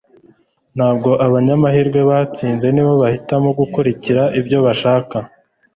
Ntabwo abanyamahirwe batsinze. Ni bo bahitamo gukurikira ibyo bashaka. ”